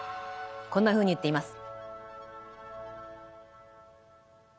こんなふうに言っています。